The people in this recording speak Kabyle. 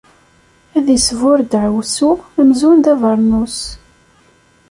Ad isburr deɛwessu amzun d abernus.